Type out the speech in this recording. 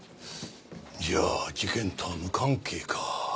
じゃあ事件とは無関係か。